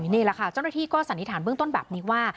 นี่แหละค่ะเจ้าหน้าที่ก็สันนิษฐานเบื้องต้นแบบนี้ว่า